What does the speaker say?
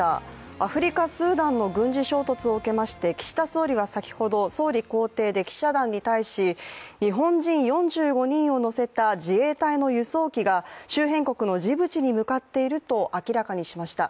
アフリカ・スーダンの軍事衝突を受けまして岸田総理は先ほど総理公邸で記者団に対し、日本人４５人を乗せた自衛隊の輸送機が周辺国のジブチに向かっていると明らかにしました。